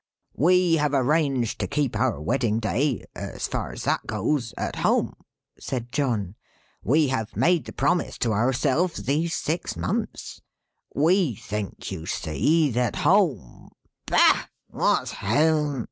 "We have arranged to keep our Wedding Day (as far as that goes) at home," said John. "We have made the promise to ourselves these six months. We think, you see, that home " "Bah! what's home?"